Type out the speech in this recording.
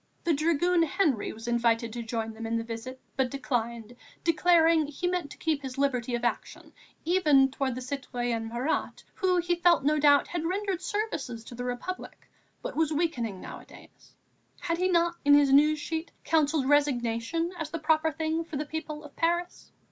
The dragoon Henry was invited to join them in the visit, but declined, declaring he meant to keep his liberty of action, even towards the citoyen Marat, who, he felt no doubt, had rendered services to the Republic, but was weakening nowadays; had he not, in his news sheet, counselled resignation as the proper thing for the people of Paris?